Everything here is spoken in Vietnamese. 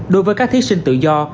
đối với các thí sinh tự do